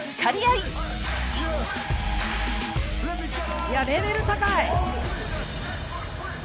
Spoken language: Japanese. いやレベル高い！